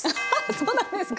そうなんですか？